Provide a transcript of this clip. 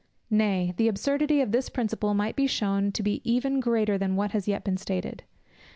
Nay, the absurdity of this principle might be shewn to be even greater than what has yet been stated.